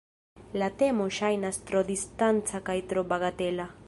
La temo ŝajnas tro distanca kaj tro bagatela.